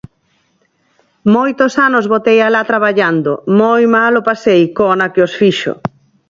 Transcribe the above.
Moitos anos botei alá traballando, moi mal o pasei, cona que os fixo.